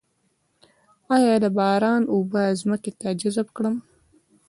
آیا د باران اوبه ځمکې ته جذب کړم؟